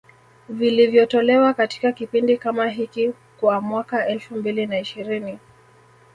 vilivyotolewa katika kipindi kama hiki kwa mwaka elfu mbili na ishirini